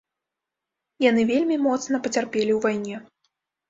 Яны вельмі моцна пацярпелі ў вайне.